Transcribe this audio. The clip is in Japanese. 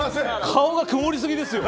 顔が曇りすぎですよ。